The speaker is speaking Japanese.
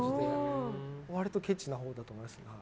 割とケチなほうだと思います。